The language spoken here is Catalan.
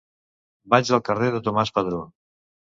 Vaig al carrer de Tomàs Padró.